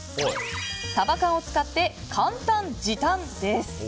サバ缶を使って簡単時短！です。